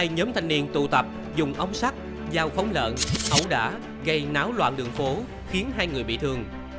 hai nhóm thanh niên tụ tập dùng ống sắt dao phóng lợn ẩu đả gây náo loạn đường phố khiến hai người bị thương